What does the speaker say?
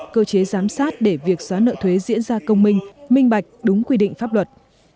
cơ chế giám sát để việc xóa nợ thuế diễn ra công minh minh bạch đúng quy định pháp luật